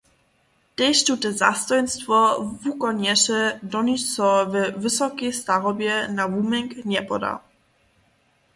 Tež tute zastojnstwo wukonješe, doniž so we wysokej starobje na wuměnk njepoda.